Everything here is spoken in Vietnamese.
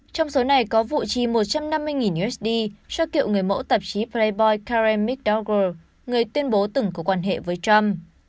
trong số này có vụ trì một trăm năm mươi usd do kiệu người mẫu tạp chí playboy karen mcdougall người tuyên bố từng có quan hệ với trump